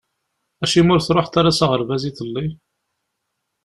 Acimi ur truḥeḍ ara s aɣerbaz iḍelli?